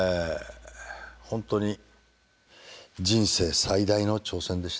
本当に人生最大の挑戦でしたね。